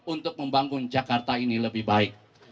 untuk membangun jakarta ini lebih baik